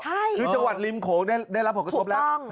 ใช่คือจังหวัดลิมโขได้รับปกติแล้วใช่ถูกต้อง